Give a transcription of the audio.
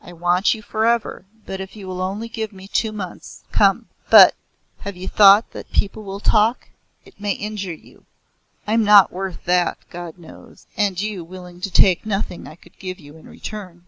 I want you for ever, but if you will only give me two months come! But have you thought that people will talk. It may injure you. I'm not worth that, God knows. And you will take nothing I could give you in return."